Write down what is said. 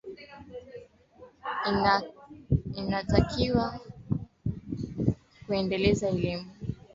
inatakiwa kutoa elimu kuhusiana na madhara yatokanayo na matumizi